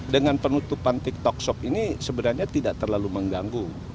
dengan penutupan tiktok shop ini sebenarnya tidak terlalu mengganggu